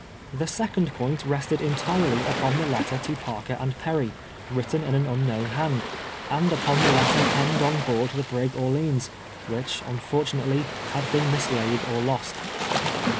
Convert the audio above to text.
The second point rested entirely upon the letter to Parker and Perry, written in an unknown hand, and upon the letter pen ned on board the brig Orleans, which, unfortunately, had been mislaid or lost.